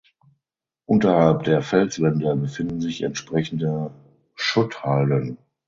Unterhalb der Felswände befinden sich entsprechende Schutthalden.